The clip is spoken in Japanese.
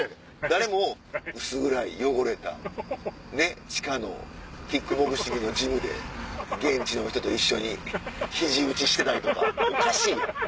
誰も薄暗い汚れた地下のキックボクシングのジムで現地の人と一緒に肘打ちしてたりとかおかしいよ。